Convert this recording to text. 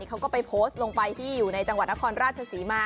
เขาก็ไปโพสต์ลงไปที่อยู่ในจังหวัดนครราชศรีมา